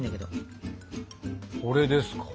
これですか？